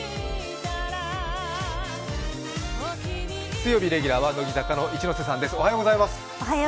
水曜日レギュラーは乃木坂の一ノ瀬さんです。